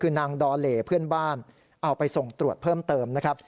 คือนางดอเลเพื่อนบ้านเอาไปส่งตรวจเพิ่มเติมนะครับ